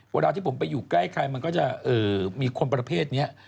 เวลาที่ผมไปอยู่ใกล้ใครมันก็จะมีคนประเภทนี้